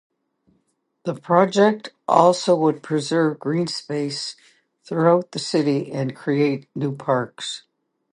The project also would preserve greenspace throughout the city and create new parks.